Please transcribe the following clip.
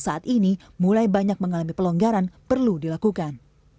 saat ini mulai banyak mengalami pelonggaran perlu dilakukan